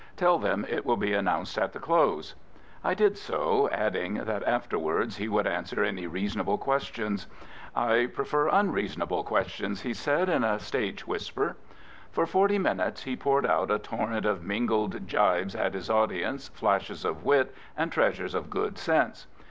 " Tell them it will be announced at the dose." I did so, adding that after wards he would answer any reasonable questions. " I prefer unreasonable questions," he said in a stage whisper. For forty minutes he poured out a torrent of mingled gibes at his audience, flashes of wit and treasures of good sense.